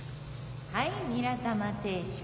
はいニラ玉定食